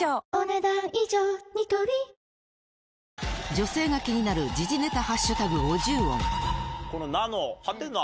女性が気になる時事ネタハッシュタグ５０音この「な」の「？」。